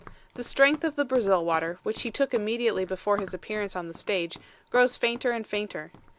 The strength of the Brazil water, which he took immediately before his appearance on the stage, grows fainter and fainter.